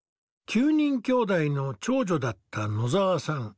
９人きょうだいの長女だった野澤さん。